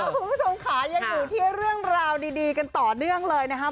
คุณผู้ชมค่ะยังอยู่ที่เรื่องราวดีกันต่อเนื่องเลยนะครับ